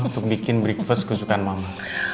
untuk bikin breakfast kesukaan mama